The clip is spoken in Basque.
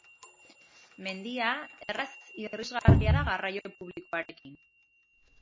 Mendia erraz irisgarria da garraio publikoarekin.